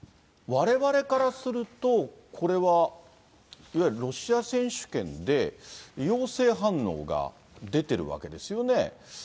われわれからすると、これは、いわゆるロシア選手権で、陽性反応が出ているわけですよね。